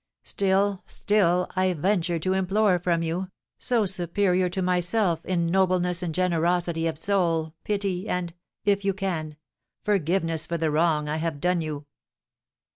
Still, still, I venture to implore from you, so superior to myself in nobleness and generosity of soul, pity, and, if you can, forgiveness for the wrong I have done you!"